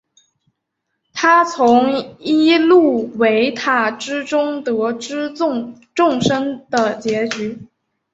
他从伊露维塔之中得知众生的结局。